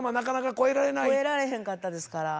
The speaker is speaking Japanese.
越えられへんかったですから。